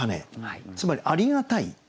つまりありがたい。